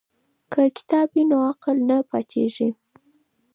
که کتاب وي نو عقل نه پاتیږي.